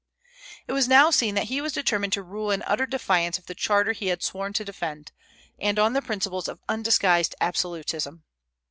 It was now seen that he was determined to rule in utter defiance of the charter he had sworn to defend, and on the principles of undisguised absolutism.